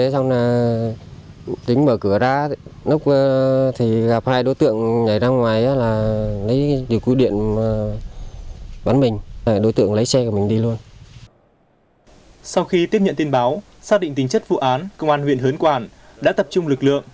sau khi tiếp nhận tin báo xác định tính chất vụ án công an huyện hớn quản đã tập trung lực lượng